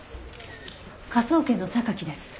科捜研の榊です。